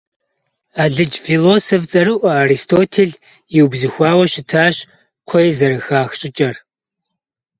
Алыдж философ цӀэрыӀуэ Аристотель иубзыхуауэ щытащ кхъуей зэрыхах щӀыкӀэр.